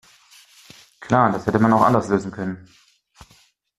Klar, das hätte man auch anders lösen können.